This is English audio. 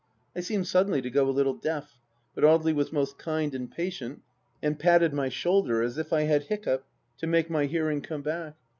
I seemed suddenly to go a little deaf, but Audely was most kind and patient and patted my shoulder as if I had hiccough, to make my hearing come back.